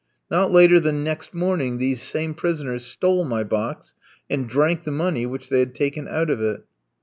Not later than next morning these same prisoners stole my box, and drank the money which they had taken out of it.